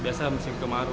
biasa musim kemaru